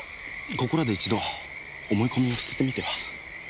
ここらで一度思い込みを捨ててみては。